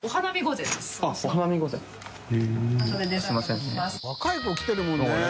淵劵蹈漾若い子来てるもんね。